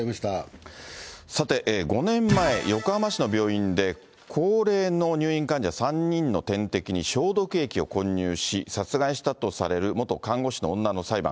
さて、５年前、横浜市の病院で高齢の入院患者３人の点滴に消毒液を混入し、殺害したとされる元看護士の女の裁判。